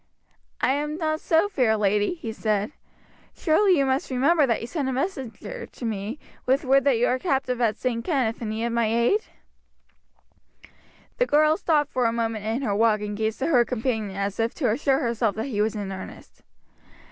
"I am not so, fair lady," he said. "Surely you must remember that you sent a messenger to me, with word that you were captive at St. Kenneth and needed my aid?" The girl stopped for a moment in her walk and gazed at her companion as if to assure herself that he was in earnest.